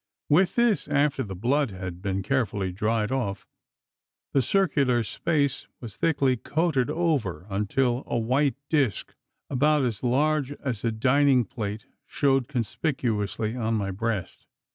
With this after the blood had been carefully dried off the circular space was thickly coated over, until a white disc, about as large as a dining plate shewed conspicuously on my breast!